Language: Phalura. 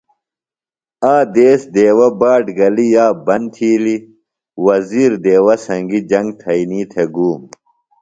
آ دیس دیوہ باٹ گلیۡ یاب بند تِھیلیۡ۔ وزیر دیوہ سنگیۡ جنگ تھئینی تھےۡ گُوم.